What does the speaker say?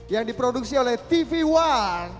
yang diproduksi oleh tv one